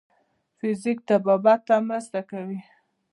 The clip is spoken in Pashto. فزیک طبابت ته مرسته کوي.